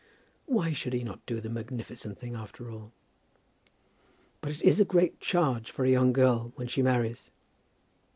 Why should he not do the magnificent thing after all? "But it is a great charge for a young girl when she marries."